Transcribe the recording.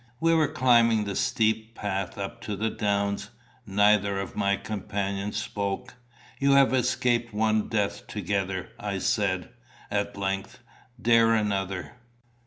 We were climbing the steep path up to the downs. Neither of my companions spoke. "You have escaped one death together," I said at length: "dare another."